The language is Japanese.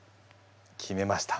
決めました。